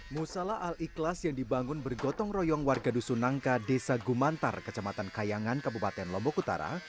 musala al ikhlas yang dibangun bergotong royong warga dusun nangka desa gumantar kecamatan kayangan kabupaten lombok utara